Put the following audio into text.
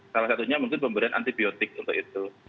salah satunya mungkin pemberian antibiotik untuk itu